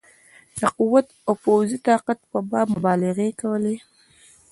د قوت او پوځي طاقت په باب مبالغې کولې.